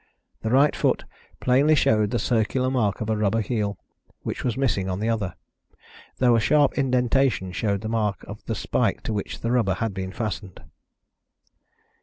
The right foot plainly showed the circular mark of a rubber heel, which was missing in the other, though a sharp indentation showed the mark of the spike to which the rubber had been fastened.